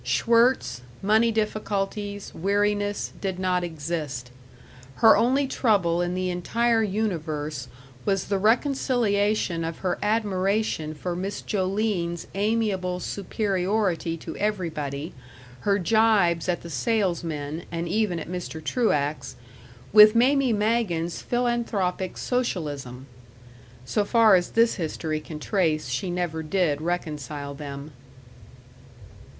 Schwirtz, money difficulties, weariness, did not exist. Her only trouble in the entire universe was the reconciliation of her admiration for Miss Joline's amiable superiority to everybody, her gibes at the salesmen, and even at Mr. Truax, with Mamie Magen's philanthropic socialism. (So far as this history can trace, she never did reconcile them.)